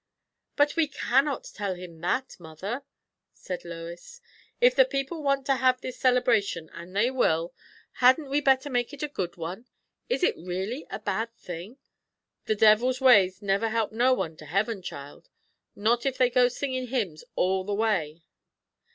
"But we cannot tell him that, mother," said Lois. "If the people want to have this celebration, and they will, hadn't we better make it a good one? Is it really a bad thing?" "The devil's ways never help no one to heaven, child, not if they go singin' hymns all the way."